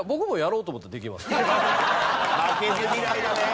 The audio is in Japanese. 負けず嫌いだね。